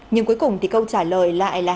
nhưng cuối cùng thì câu trả lời lại là